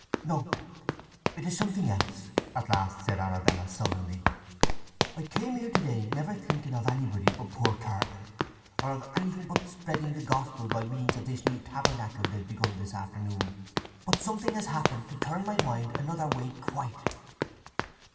"No—it is something else," at last said Arabella sullenly. "I came here to day never thinking of anybody but poor Cartlett, or of anything but spreading the Gospel by means of this new tabernacle they've begun this afternoon. But something has happened to turn my mind another way quite.